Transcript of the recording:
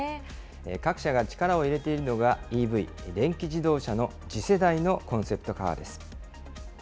各社が力を入れているのがＥＶ・電気自動車の次世代のコンセプトカーです。